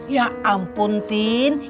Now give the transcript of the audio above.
ya ampun mtin